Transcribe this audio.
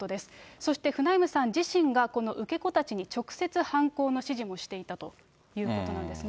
そしてフナイムさん自身がこの受け子たちに直接犯行の指示もしていたということなんですね。